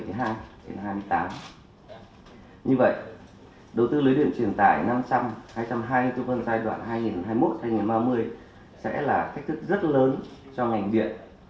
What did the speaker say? như vậy đầu tư lưới điện truyền tài năm hai nghìn hai mươi cho phần giai đoạn hai nghìn hai mươi một hai nghìn ba mươi sẽ là thách thức rất lớn cho ngành điện